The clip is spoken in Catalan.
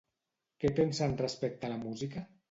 Què pensen respecte a la música?